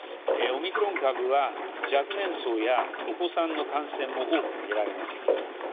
オミクロン株は若年層やお子さんの感染も多く見られます。